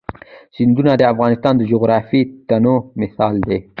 سیندونه د افغانستان د جغرافیوي تنوع مثال دی.